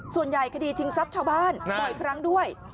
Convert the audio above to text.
ส่วนใหญ่คดีชิงทรัพย์ชาวบ้านปล่อยอีกครั้งด้วย